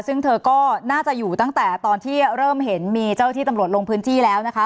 ซึ่งเธอก็น่าจะอยู่ตั้งแต่ตอนที่เริ่มเห็นมีเจ้าที่ตำรวจลงพื้นที่แล้วนะคะ